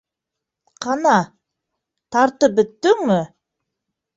— Ҡана, тартып бөттөңмө?